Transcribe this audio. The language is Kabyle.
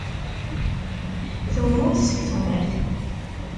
Temmut seg tumert.